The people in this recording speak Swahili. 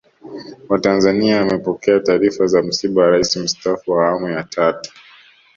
Watanzania wamepokea taarifa za msiba wa Rais Mstaafu wa Awamu ya Tatu